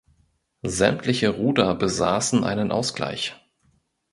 Sämtliche Ruder besaßen einen Ausgleich.